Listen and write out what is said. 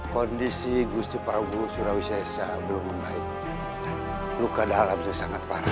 kondisi gusung tangguh surabaya belum baik luka dalamnya sangat parah